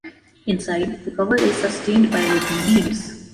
Inside, the cover is sustained by wooden beams.